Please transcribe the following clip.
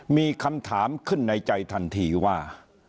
มีคำถามขึ้นในใจทันทีว่า